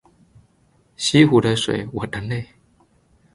西湖的水我的泪